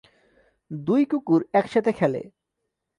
দুই কুকুর একসাথে খেলে।